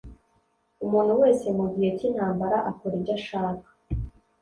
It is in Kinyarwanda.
umuntu wese mu gihe cy’ intambara akora ibyo ashaka